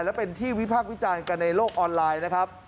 และเป็นที่วิพากษ์วิจารณ์กันในโลกออนไลน์นะครับ